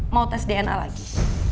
mau tes dna lagi